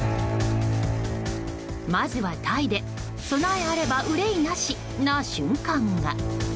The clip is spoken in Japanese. まずはタイで備えあれば患いなしな瞬間が。